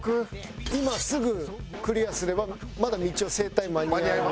今すぐクリアすればまだみちお整体間に合う。